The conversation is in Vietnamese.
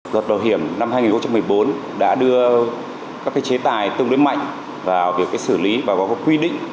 luật bảo hiểm năm hai nghìn một mươi bốn đã đưa các chế tài tương đối mạnh vào việc xử lý và có quy định